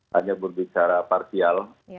hanya berbicara partial